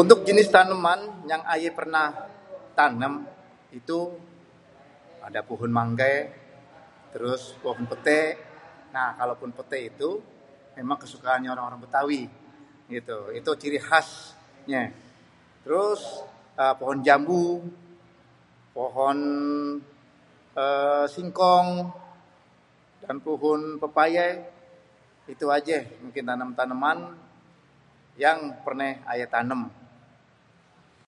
Untuk jenis taneman yang ayé pernah tanem. Itu ada pohon manggé, terus pohon peté, nah kalo pohon peté itu emang kesukaannye orang-orang Bétawi gitu. Itu ciri khasnyé terus pohon jambu, pohon singkong, dan pohon pepayé. Itu ajé mungkin tanem-taneman yang pernah ayé tanem.